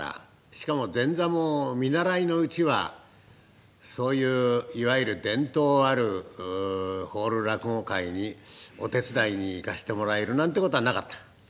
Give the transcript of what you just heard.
しかも前座も見習いのうちはそういういわゆる伝統あるホール落語会にお手伝いに行かせてもらえるなんてことはなかった。